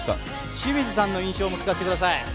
清水さんの印象も聞かせてください。